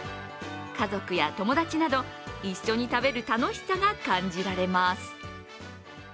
家族や友達など、一緒に食べる楽しさが感じられます。